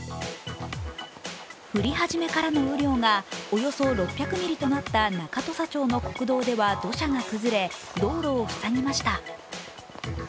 降り始めからの雨量がおよそ６００ミリとなった中土佐町の国道では土砂が崩れ道路を塞ぎました。